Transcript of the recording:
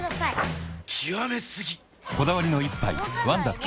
こだわりの一杯「ワンダ極」